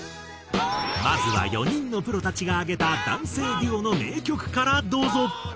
まずは４人のプロたちが挙げた男性デュオの名曲からどうぞ。